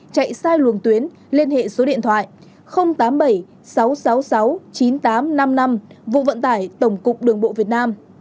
chạy sai luồng tuyến liên hệ số điện thoại tám mươi bảy sáu trăm sáu mươi sáu chín nghìn tám trăm năm mươi năm vụ vận tải tổng cục đường bộ việt nam